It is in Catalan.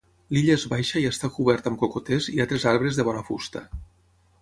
L'illa és baixa i està cobert amb cocoters i altres arbres de bona fusta.